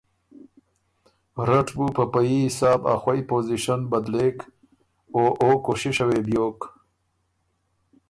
رټ بُو په په يي حساب ا خوئ پوزیشن بدلېک او او کوشِشه وې بیوک